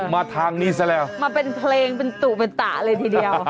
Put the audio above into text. มาทางนี้ซะแล้วมาเป็นเพลงเป็นตุเป็นตะเลยทีเดียว